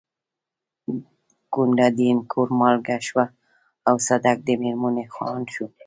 کونډه د اينګور مالکه شوه او صدک د مېرمنې خاوند شو.